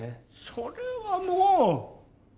それはもう！